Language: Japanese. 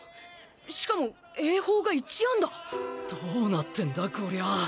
しかも英邦が一安打⁉どうなってんだこりゃ